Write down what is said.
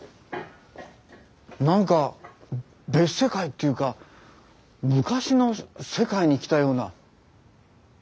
何か別世界っていうか昔の世界に来たような。